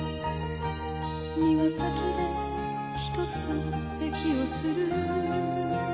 「庭先でひとつ咳をする」